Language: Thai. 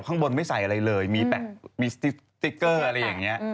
ข้างบนไม่ใส่อะไรเลยมีแปะมีสติ๊กเกอร์อะไรอย่างนี้